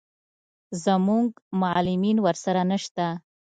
زموږ معلمین ورسره نه شته.